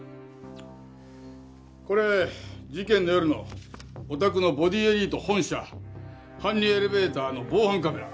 これ事件の夜のおたくのボディエリート本社搬入エレベーターの防犯カメラ。